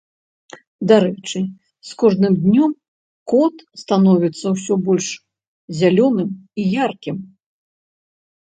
Дарэчы, з кожным днём кот становіцца ўсё больш зялёным і яркім.